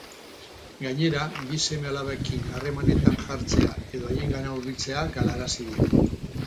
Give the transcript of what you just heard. Gainera, bi seme-alabekin harremanetan jartzea edo haiengana hurbiltzea galarazi dio.